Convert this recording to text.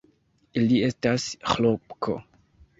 Li estas Ĥlopko!